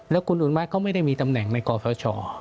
แล้วคุณอุตมะก็ไม่ได้มีตำแหน่งในคอสช